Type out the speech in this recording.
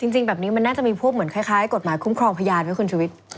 จริงแบบนี้มันน่าจะมีพวกเหมือนคล้ายกฎหมายคุ้มครองพยานไหมคุณชุวิต